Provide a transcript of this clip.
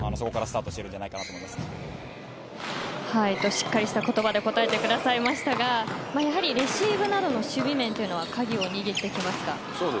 しっかりとした言葉で答えてくださいましたがやはりレシーブなどの守備面が鍵を握ってきますか？